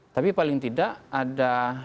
tapi paling tidak ada